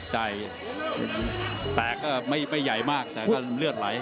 แตกก็ไม่ใหญ่มากแต่ก็เลือดไหล